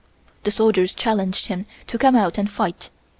The soldiers challenged him to come out and fight.